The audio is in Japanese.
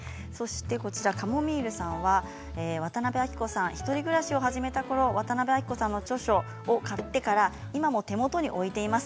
渡辺あきこさんが１人暮らしを始めたころ渡辺あきこさんの著書を買ってから今も手元に置いています。